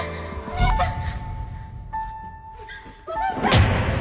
お姉ちゃん！